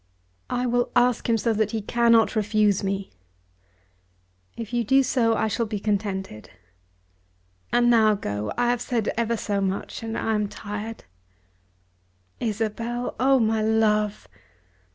"I will ask him so that he cannot refuse me." "If you do I shall be contented. And now go. I have said ever so much, and I am tired." "Isabel! Oh, my love!"